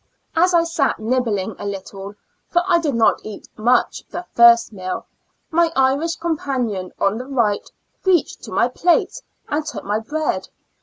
As I sat nibbling a little, for I did not eat much the first meal, my Irish companion on the right reached to my plate and took my bread.